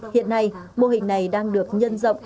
hiện nay mô hình này đang được nhân rộng